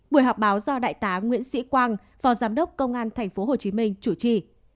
buổi họp báo do đại tá nguyễn sĩ quang phó giám đốc công an tp hcm chủ trì